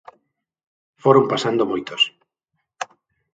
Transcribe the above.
Foron pasando moitos.